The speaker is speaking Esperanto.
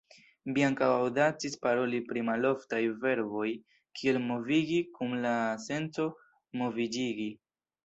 Mi ankaŭ aŭdacis paroli pri maloftaj verboj kiel "movigi" kun la senco "moviĝigi".